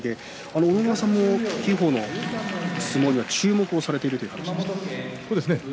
小野川さんも輝鵬の相撲には注目されているということですね。